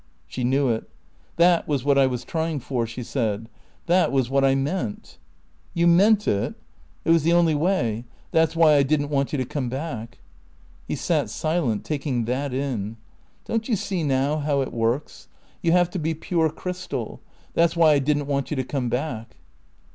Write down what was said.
She knew it. "That was what I was trying for," she said. "That was what I meant." "You meant it?" "It was the only way. That's why I didn't want you to come back." He sat silent, taking that in. "Don't you see now how it works? You have to be pure crystal. That's why I didn't want you to come back."